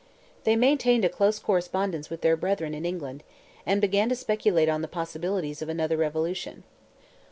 They maintained a close correspondence with their brethren in England, and began to speculate on the possibilities of another revolution.